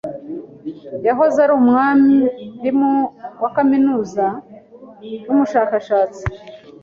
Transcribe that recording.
Yahoze ari umwarimu wa kaminuza n'umushakashatsi.